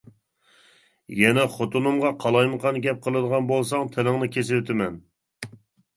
-يەنە خوتۇنۇمغا قالايمىقان گەپ قىلىدىغان بولساڭ، تىلىڭنى كېسىۋېتىمەن!